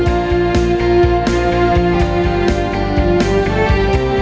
asalkan kau enggak protes aja